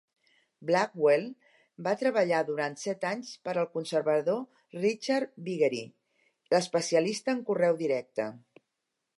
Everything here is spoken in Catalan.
Blackwell va treballar durant set anys per al conservador Richard Viguerie, l'especialista en correu directe.